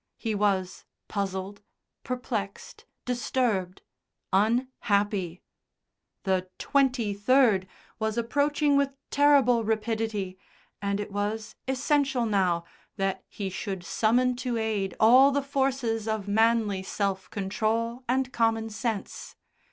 He was puzzled, perplexed, disturbed, unhappy. The "twenty third" was approaching with terrible rapidity, and it was essential now that he should summon to aid all the forces of manly self control and common sense.